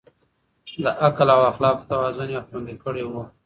د عقل او اخلاقو توازن يې خوندي کړی و.